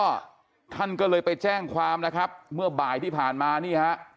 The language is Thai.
ก็ท่านก็เลยไปแจ้งความนะครับเมื่อบ่ายที่ผ่านมานี่ฮะ